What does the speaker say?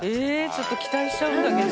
ちょっと期待しちゃうんだけど。